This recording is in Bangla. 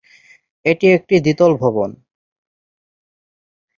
এটি একটি দ্বিতল ভবন।